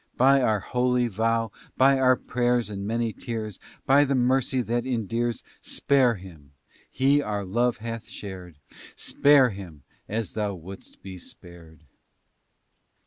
By our holy vow, By our prayers and many tears, By the mercy that endears, Spare him! he our love hath shared! Spare him! as thou wouldst be spared!